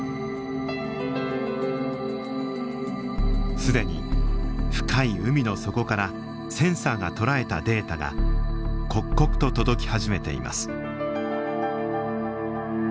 既に深い海の底からセンサーが捉えたデータが刻々と届き始めています。